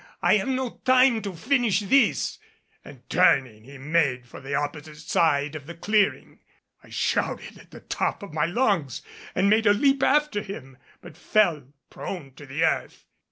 "I have no time to finish this " and turning, he made for the opposite side of the clearing. I shouted at the top of my lungs and made a leap after him, but fell prone to the earth.